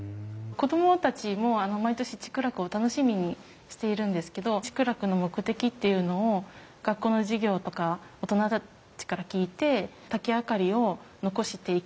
子供たちも毎年竹楽を楽しみにしているんですけど竹楽の目的っていうのを学校の授業とか大人たちから聞いて竹明かりを残していきたい